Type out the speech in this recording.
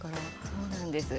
そうなんです。